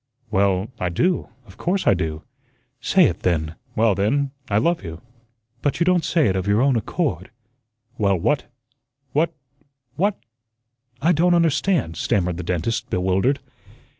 "Well, I do, of course I do." "Say it, then." "Well, then, I love you." "But you don't say it of your own accord." "Well, what what what I don't understand," stammered the dentist, bewildered.